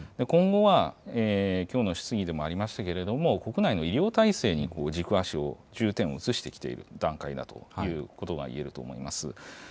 今後は、きょうの質疑でもありましたけれども、国内の医療体制に軸足を、重点を移してきているという段階だということがいえると思います。